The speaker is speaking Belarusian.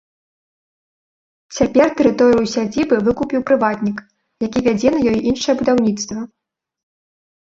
Цяпер тэрыторыю сядзібы выкупіў прыватнік, які вядзе на ёй іншае будаўніцтва.